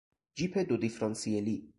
جیپ دو دیفرانسیلی